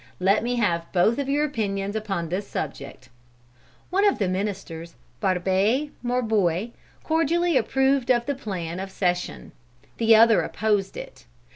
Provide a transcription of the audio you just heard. Let me have both of your opinions upon this subject." One of the ministers, Barbé Marbois, cordially approved of the plan of "cession." The other opposed it.